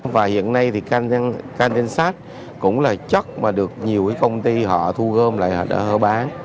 và hiện nay thì can tiên sáng cũng là chất mà được nhiều công ty họ thu gom lại họ bán